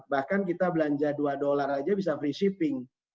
bahkan kita belanja dua dolar aja bisa free shipping